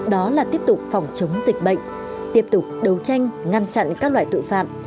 đó là tiếp tục phòng chống dịch bệnh tiếp tục đấu tranh ngăn chặn các loại tội phạm